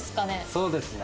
そうですね。